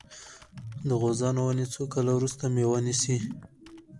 د غوزانو ونې څو کاله وروسته میوه نیسي؟